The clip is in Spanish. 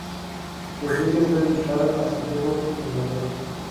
La iglesia está dedicada a Santiago el Mayor.